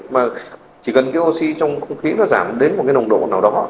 mà chỉ cần oxy trong không khí nó giảm đến một nồng độ nào đó